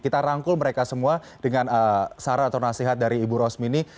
kita rangkul mereka semua dengan saran atau nasihat dari ibu rosmini